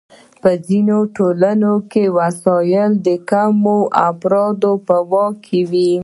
په ځینو ټولنو کې وسایل د کمو افرادو په واک کې وي.